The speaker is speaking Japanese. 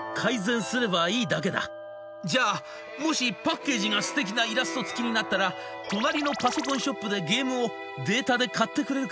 じゃあもしパッケージがすてきなイラスト付きになったら隣のパソコンショップでゲームをデータで買ってくれるかな？